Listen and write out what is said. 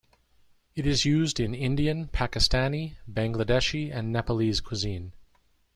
It is used in Indian, Pakistani, Bangladeshi, and Nepalese cuisine.